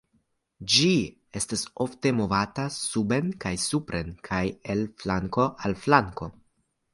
Ĝi estas ofte movata suben kaj supren kaj el flanko al flanko.